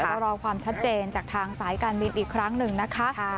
ก็รอความชัดเจนจากทางสายการบินอีกครั้งหนึ่งนะคะ